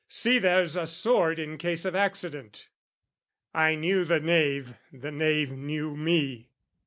"See there's a sword in case of accident." I knew the knave, the knave knew me.